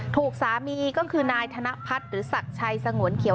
ถูกสามีก็คือนายธนพัฒน์หรือศักดิ์ชัยสงวนเขียว